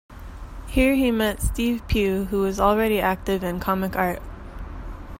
Here he met Steve Pugh who was already active in comic art.